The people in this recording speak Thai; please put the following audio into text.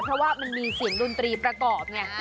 เพราะว่ามันมีเสียงดนตรีประกอบไง